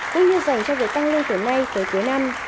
cũng như dành cho việc tăng lên từ nay tới cuối năm